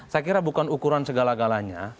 saya kira bukan ukuran segala galanya